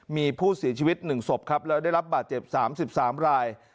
มีผู้เสียชีวิต๑ศพครับแล้วได้รับบาดเจ็บ๓๓ราย